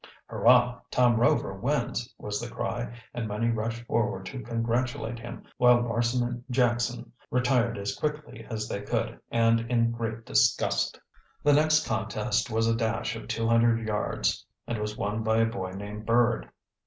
"Hurrah! Tom Rover wins!" was the cry, and many rushed forward to congratulate him, while Larson and Jackson retired as quickly as they could and in great disgust. The next contest was a dash of two hundred yards and was won by a boy named Bird.